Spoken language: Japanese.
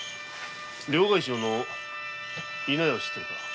両替商の伊奈屋を知ってるか？